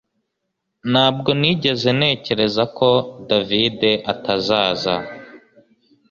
Ntabwo nigeze ntekereza ko David atazaza